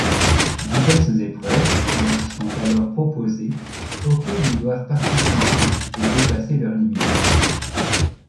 Diverses épreuves leur sont alors proposées auxquelles ils doivent participer et dépasser leurs limites.